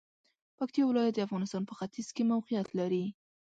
پکتیا ولایت د افغانستان په ختیځ کې موقعیت لري.